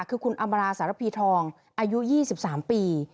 คือคุณอำราสารพีทองอายุ๒๓ปี